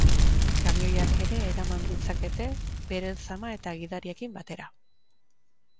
Kamioiak ere eraman ditzakete, beren zama eta gidariekin batera.